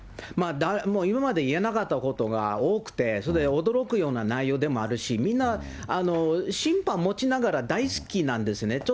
今まで言えなかったことが多くて、それで驚くような内容でもあるし、みんな、もちながら大好きなんですね。